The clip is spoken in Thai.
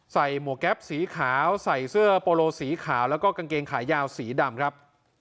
หมวกแก๊ปสีขาวใส่เสื้อโปโลสีขาวแล้วก็กางเกงขายาวสีดำครับ